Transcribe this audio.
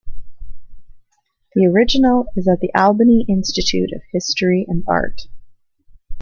The original is at the Albany Institute of History and Art.